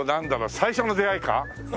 「最初の出会い」か？